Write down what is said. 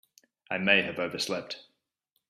I may have overslept.